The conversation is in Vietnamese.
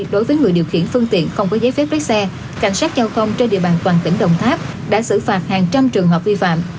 đối với người điều khiển phương tiện không có giấy phép lái xe cảnh sát giao thông trên địa bàn toàn tỉnh đồng tháp đã xử phạt hàng trăm trường hợp vi phạm